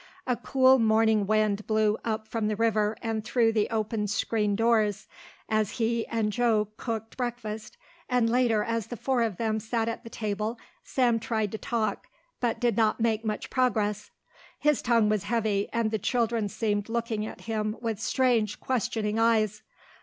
A cool morning wind blew up from the river and through the open screened doors as he and Joe cooked breakfast, and later as the four of them sat at the table Sam tried to talk but did not make much progress. His tongue was heavy and the children seemed looking at him with strange questioning eyes.